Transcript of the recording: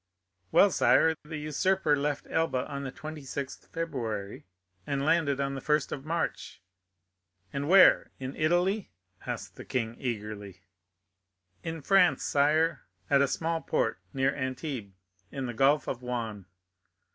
"Well, sire, the usurper left Elba on the 26th February, and landed on the 1st of March." "And where? In Italy?" asked the king eagerly. "In France, sire,—at a small port, near Antibes, in the Gulf of Juan."